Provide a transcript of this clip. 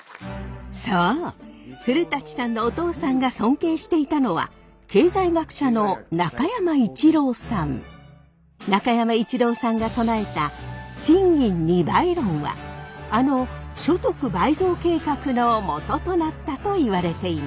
そう古さんのお父さんが尊敬していたのは中山伊知郎さんが唱えた賃金二倍論はあの所得倍増計画のもととなったといわれています。